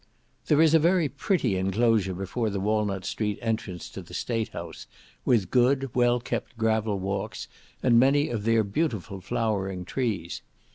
There is a very pretty enclosure before the Walnut Street entrance to the State House, with good well kept gravel walks, and many of their beautiful flowering trees.